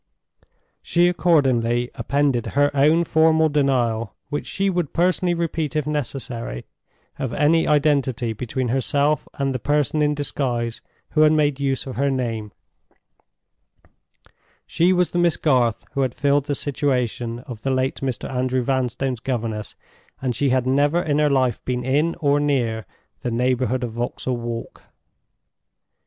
She accordingly appended her own formal denial—which she would personally repeat if necessary—of any identity between herself and the person in disguise who had made use of her name. She was the Miss Garth who had filled the situation of the late Mr. Andrew Vanstone's governess, and she had never in her life been in, or near, the neighborhood of Vauxhall Wall.